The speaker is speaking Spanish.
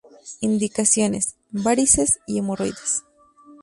Indicaciones: varices y hemorroides.